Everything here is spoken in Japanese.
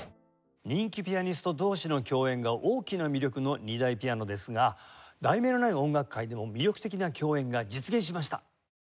人気ピアニスト同士の共演が大きな魅力の２台ピアノですが『題名のない音楽会』でも魅力的な共演が実現しました。